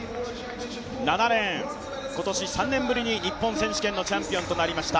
７レーン今年３年ぶりに日本選手権のチャンピオンになりました